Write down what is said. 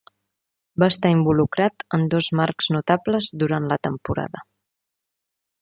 Va estar involucrat en dos marcs notables durant la temporada.